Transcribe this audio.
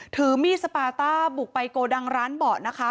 ถือมีดสปาต้าบุกไปโกดังร้านเบาะนะคะ